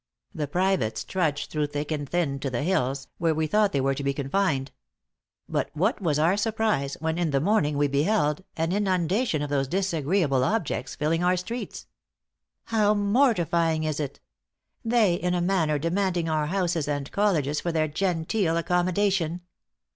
The privates trudged through thick and thin to the hills, where we thought they were to be confined. But what was our surprise, when in the morning we beheld an inundation of those disagreeable objects filling our streets? How mortifying is it! they in a manner demanding our houses and colleges for their genteel accommodation.